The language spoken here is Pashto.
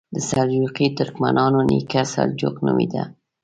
د سلجوقي ترکمنانو نیکه سلجوق نومېده.